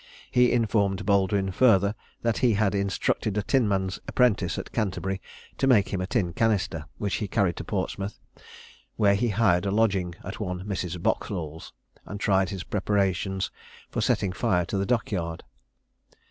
He informed Baldwin further, that he had instructed a tinman's apprentice at Canterbury to make him a tin canister, which he carried to Portsmouth, where he hired a lodging at one Mrs. Boxall's, and tried his preparations for setting fire to the dock yard.